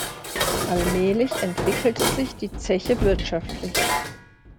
Allmählich entwickelte sich die Zeche wirtschaftlich.